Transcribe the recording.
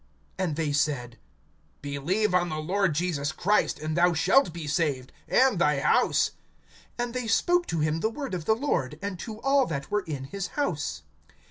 (31)And they said: Believe on the Lord Jesus Christ, and thou shalt be saved, and thy house. (32)And they spoke to him the word of the Lord, and to all that were in his house.